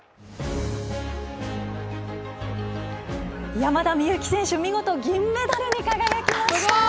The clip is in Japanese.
山田美幸選手、見事銀メダルに輝きました。